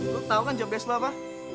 lu tau kan job desk lu apa